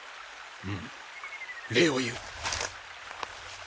うん礼を言う。